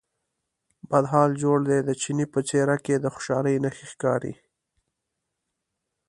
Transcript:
بد حال جوړ دی، د چیني په څېره کې د خوشالۍ نښې ښکارې.